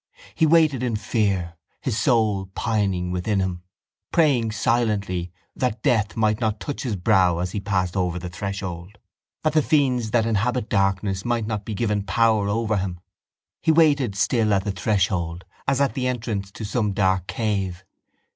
He waited in fear, his soul pining within him, praying silently that death might not touch his brow as he passed over the threshold, that the fiends that inhabit darkness might not be given power over him. He waited still at the threshold as at the entrance to some dark cave.